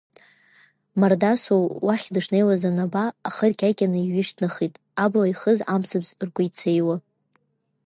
Мардасоу уахь дышнеиуаз анаба, ахы ркьакьаны иҩышьҭнахит, абла ихыз амцабз ыркәеицеиуа.